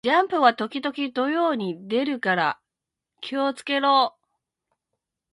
ジャンプは時々土曜に出るから気を付けろ